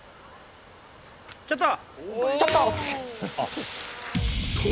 ちょっと！